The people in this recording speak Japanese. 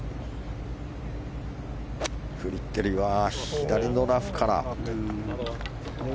フリテリは左のラフから。